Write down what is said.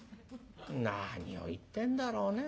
「何を言ってんだろうね